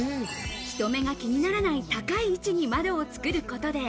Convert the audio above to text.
人目が気にならない高い位置に窓を作ることで。